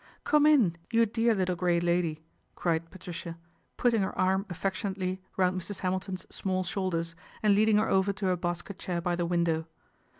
" Come in, you dear little Grey Lady," cried Patricia, putting her arm affectionately round Mrs. Hamilton's small shoulders, and leading her over to a basket chair by the window.